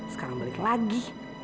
sekarang balik lagi